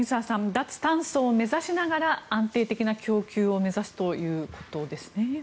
脱炭素を目指しながら安定的な供給を目指すということですね。